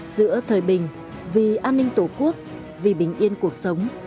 giữa thời bình vì an ninh tổ quốc vì bình yên cuộc sống